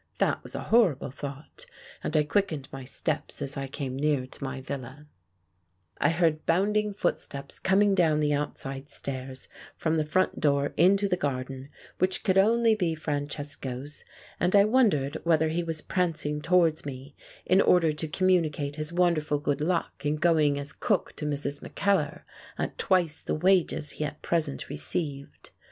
That was a horrible thought, and I quickened my steps as I came near to my villa. 81 The Dance on the Beefsteak I heard bounding footsteps coming down the out side stairs from the front door into the garden, which could only be Francesco's, and I wondered whether he was prancing towards me in order to communi cate his wonderful good luck in going as cook to Mrs. Mackellar, at twice the wages he at present received.